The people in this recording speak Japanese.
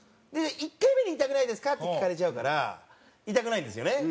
１回目で「痛くないですか？」って聞かれちゃうから痛くないんですよね。